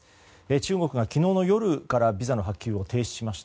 中国が昨日の夜からビザの発給を停止しました。